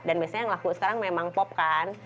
dan biasanya yang laku sekarang memang pop kan